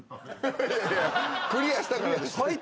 いやいやクリアしたからです。